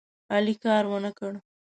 علي کار ونه کړ.